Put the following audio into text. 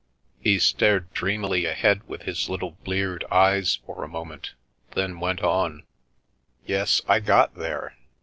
..." He stared dreamily ahead with his little bleared eyes for a moment, then went on :" Yes, I got there.